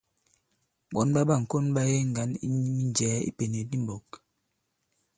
Ɓɔ̌n ɓa ɓâŋkon ɓa yege ŋgǎn i minjɛ̀ɛ i ipènèk di i mbɔ̄k.